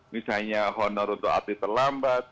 misalnya honor untuk atlet terlambat